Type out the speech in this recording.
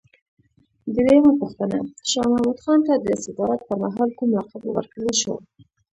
درېمه پوښتنه: شاه محمود خان ته د صدارت پر مهال کوم لقب ورکړل شو؟